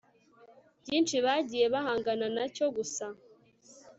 byinshi bagiye bahangana na cyo gusa